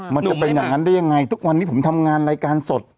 มันจะเป็นอย่างนั้นได้ยังไงทุกวันนี้ผมทำงานรายการสด